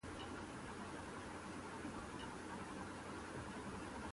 The museum hosts permanent and traveling collections.